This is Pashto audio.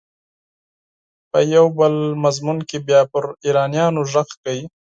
په یو بل مضمون کې بیا پر ایرانیانو غږ کوي.